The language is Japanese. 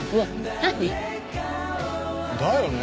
何？だよね。